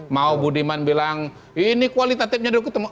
mau budiman bilang ini kualitatifnya dari ketumbo